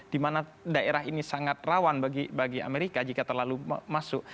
di mana daerah ini sangat rawan bagi amerika jika terlalu masuk